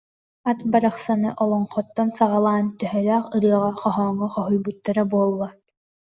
Ат барахсаны олоҥхоттон саҕалаан төһөлөөх ырыаҕа, хоһооҥҥо хоһуйбуттара буолла